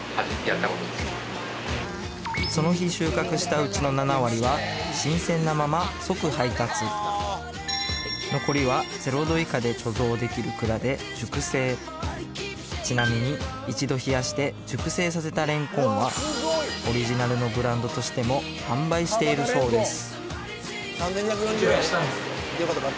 その日収穫したうちの７割は新鮮なまま即配達残りは０度以下で貯蔵できる蔵で熟成ちなみに一度冷やして熟成させたレンコンはオリジナルのブランドとしても販売しているそうです